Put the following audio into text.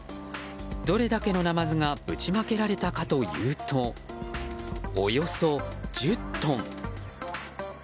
どれだけのナマズがぶちまけられたかというとおよそ１０トン。